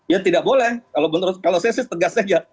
ya tidak boleh kalau bener kalau saya sih tegas aja